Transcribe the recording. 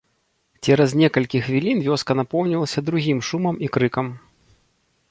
Цераз некалькі хвілін вёска напоўнілася другім шумам і крыкам.